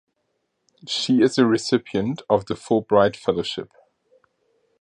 She is a recipient of the Fulbright Fellowship.